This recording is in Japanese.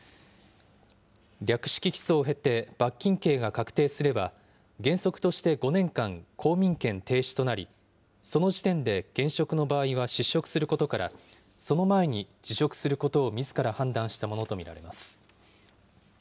略式起訴を経て罰金刑が確定すれば、原則として５年間、公民権停止となり、その時点で現職の場合は失職することから、その前に辞職することをみずから判断したものと見られます。